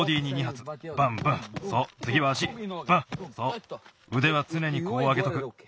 うではつねにこう上げとく。